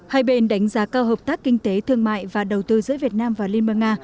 hai bên đánh giá cao hợp tác kinh tế thương mại và đầu tư giữa việt nam và liên bang nga